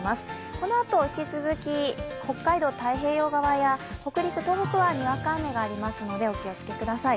このあと引き続き北海道太平洋側や北陸、東北はにわか雨があるのでお気をつけください。